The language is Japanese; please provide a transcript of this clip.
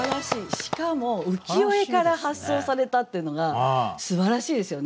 しかも浮世絵から発想されたっていうのがすばらしいですよね。